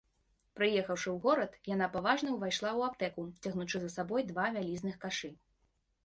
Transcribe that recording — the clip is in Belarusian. Прыехаўшы ў горад, яна паважна ўвайшла ў аптэку, цягнучы за сабой два вялізных кашы.